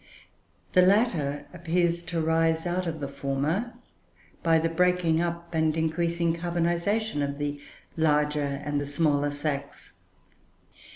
The latter appears to rise out of the former, by the breaking up and increasing carbonization of the larger and the smaller sacs.